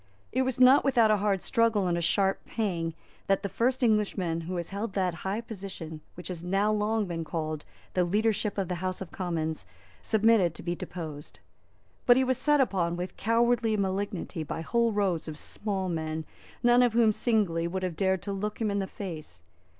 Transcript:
It was not without a hard struggle and a sharp pang that the first Englishman who has held that high position which has now been long called the Leadership of the House of Commons submitted to be deposed. But he was set upon with cowardly malignity by whole rows of small men none of whom singly would have dared to look him in the face.